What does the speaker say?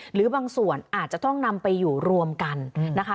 หรือบางส่วนอาจจะต้องนำไปอยู่รวมกันนะคะ